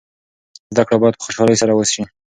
زده کړه باید په خوشحالۍ سره وسي.